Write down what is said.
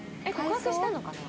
告白したのかな？